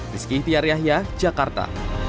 rizky itiar yahya jakarta